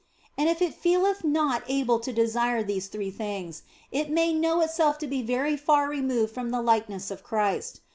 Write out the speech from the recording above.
And if it feeleth not able to desire these three things, it may know itself to be very far removed from the likeness of Christ.